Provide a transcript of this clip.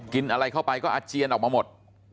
กินอะไรเข้าไปก็อาเจียนออกมาหมด